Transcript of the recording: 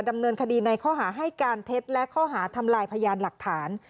ดำเนินคดีในข้อหาให้การเท็จและข้อหาทำลายพยานหลักฐาน